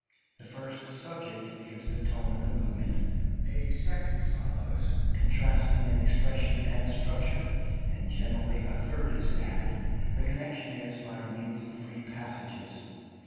The first subject gives the tone of the movement, a second follows, contrasting in expression and structure, and generally a third is added; the connection is by means of free passages.